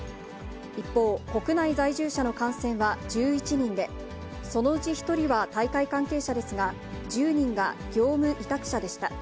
一方、国内在住者の感染は１１人で、そのうち１人は大会関係者ですが、１０人が業務委託者でした。